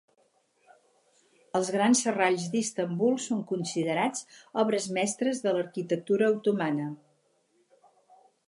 Els grans serralls d'Istanbul són considerats obres mestres de l'arquitectura otomana.